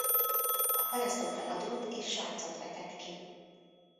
A parasztokra adót és sarcot vetett ki.